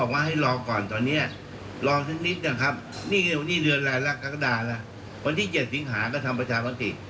วันที่๗สิงหาก็ทำประชามติ